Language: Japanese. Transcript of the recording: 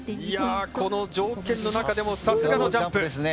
この条件の中でもさすがのジャンプ。